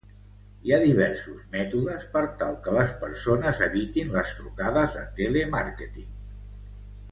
Hi ha diversos mètodes per tal que les persones evitin les trucades de telemàrqueting.